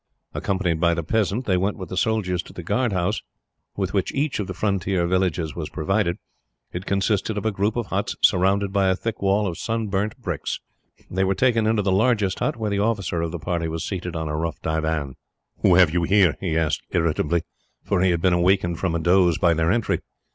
Accompanied by the peasant, they went with the soldiers to the guard house, with which each of the frontier villages was provided. It consisted of a group of huts, surrounded by a thick wall of sunburnt bricks. They were taken into the largest hut, where the officer of the party was seated on a rough divan. "Who have you here?" he asked irritably, for he had been awakened from a doze by their entry.